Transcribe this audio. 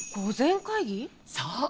そう。